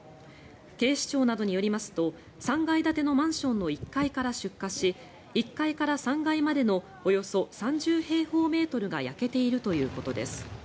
警視庁などによりますと３階建てのマンションの１階から出火し１階から３階までのおよそ３０平方メートルが焼けているということです。